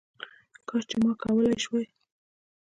کش چي ما کولې شواې